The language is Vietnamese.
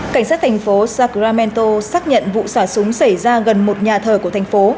cảnh sát thành phố sakramento xác nhận vụ xả súng xảy ra gần một nhà thờ của thành phố